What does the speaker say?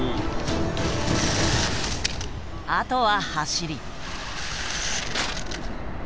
あとは走り。